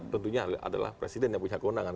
tentunya adalah presiden yang punya kewenangan